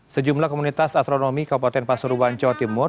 sejumlah komunitas astronomi kabupaten pasuruan jawa timur